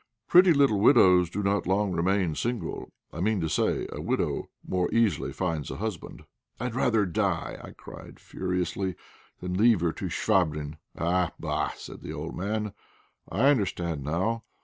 Pretty little widows do not long remain single; I mean to say a widow more easily finds a husband." "I'd rather die," I cried, furiously, "than leave her to Chvabrine." "Ah! Bah!" said the old man, "I understand now.